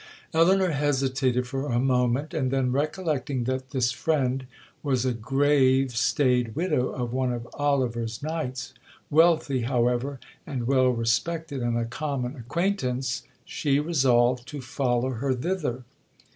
Elinor hesitated for a moment, and then recollecting that this friend was a grave staid widow of one of Oliver's knights, wealthy, however, and well respected, and a common acquaintance, she resolved to follow her thither.